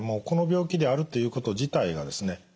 この病気であるということ自体がですね